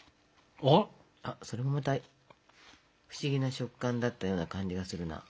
それもまた不思議な食感だったような感じがするな。